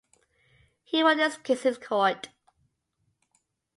He won his case in court.